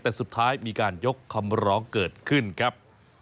แต่สุดท้ายมีการยกคำร้องเกิดขึ้นครับ